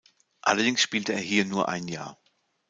Allerdings spielte er hier nur ein Jahr.